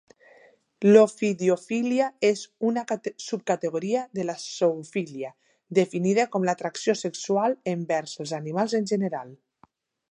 L'ofidiofília és una subcategoria de la zoofília, definida com l'atracció sexual envers els animals en general.